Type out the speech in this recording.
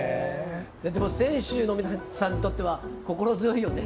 でも選手の皆さんにとっては心強いよね？